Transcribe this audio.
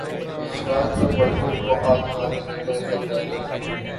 اس چراغ سے پردوں کو آگ لگنے کا کوئی خطرہ نہیں۔